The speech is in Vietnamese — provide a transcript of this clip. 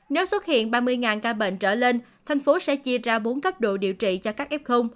nếu xuất hiện ba mươi ca bệnh trở lên thành phố sẽ chia ra bốn cấp độ điều trị cho các f